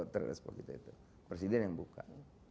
teri respon kita itu presiden yang buka